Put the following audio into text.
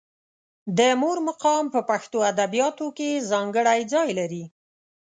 د مور مقام په پښتو ادبیاتو کې ځانګړی ځای لري.